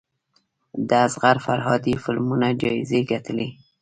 د اصغر فرهادي فلمونه جایزې ګټلي.